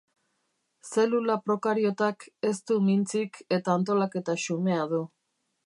Zelula prokariotak ez du mintzik eta antolaketa xumea du.